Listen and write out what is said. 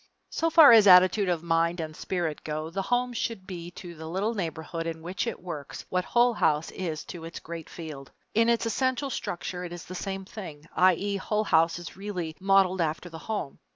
So far as attitude of mind and spirit go, the home should be to the little neighborhood in which it works what Hull House is to its great field. In its essential structure it is the same thing; i.e. Hull House is really modeled after the home.